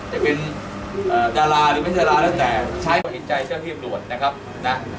จะเป็นเอ่อดาราหรือไม่ดาราแล้วแต่ใช้หินใจเช่าที่อำนวณนะครับนะ